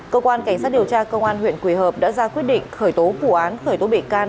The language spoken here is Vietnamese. cơ quan cảnh sát điều tra công an huyện quỳ hợp đã ra quyết định khởi tố vụ án khởi tố bị can